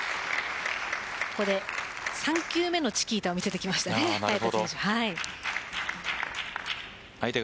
ここで３球目のチキータを見せてきました早田選手。